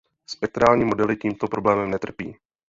Spektrální modely tímto problémem netrpí.